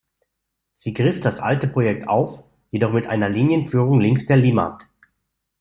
Sie griff das alte Projekt auf, jedoch mit einer Linienführung links der Limmat.